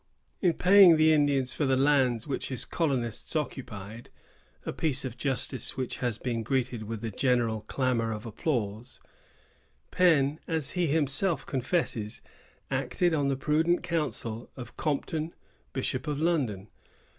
In paying the Indians for the lands which his colonists occupied,——a piece of justice which has been greeted with a general clamor of applause,——Penn, as he himself confesses, acted on the prudent counsel of Compton, Bishop of London.